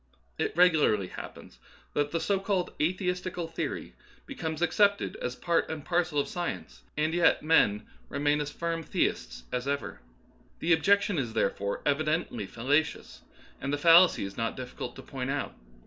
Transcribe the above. It regularly happens that the so called atheistical theory becomes accepted as part and Darwinism Verified, 5 parcel of science, and yet men remain as firm theists as ever. The objection is, therefore, evi dently fallacious, and the fallacy is not difficult to point out.